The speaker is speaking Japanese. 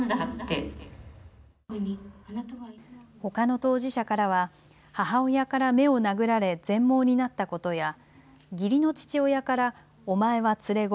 ほかの当事者からは母親から目を殴られ全盲になったことや義理の父親からお前は連れ子。